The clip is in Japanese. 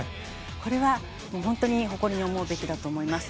これは本当に誇りに思うべきだと思います。